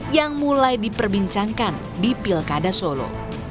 yang mulai diperbincangkan di pilkada solo